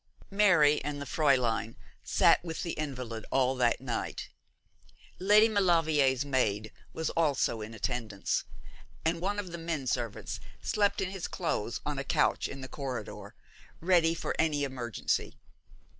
Mary and the Fräulein sat up with the invalid all that night. Lady Maulevrier's maid was also in attendance, and one of the menservants slept in his clothes on a couch in the corridor, ready for any emergency.